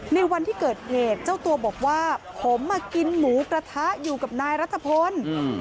ในวันที่เกิดเหตุเจ้าตัวบอกว่าผมมากินหมูกระทะอยู่กับนายรัชพล